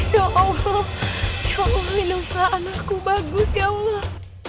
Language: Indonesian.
ya allah ya allah minumkan anakku bagus ya allah